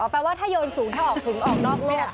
แปลว่าถ้าโยนสูงถ้าออกถึงออกนอกโลก